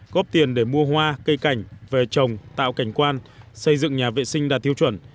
góp tiền để mua hoa cây cảnh về trồng tạo cảnh quan xây dựng nhà vệ sinh đạt tiêu chuẩn